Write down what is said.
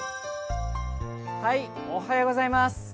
おはようございます。